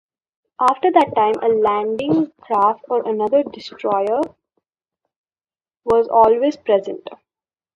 After that time, a landing craft or another destroyer was always present.